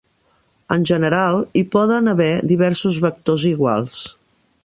En general, hi poden haver diversos vectors iguals.